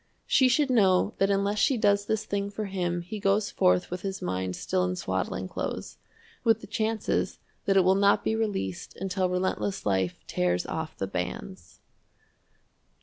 She should know that unless she does this thing for him he goes forth with his mind still in swaddling clothes, with the chances that it will not be released until relentless life tears off the bands.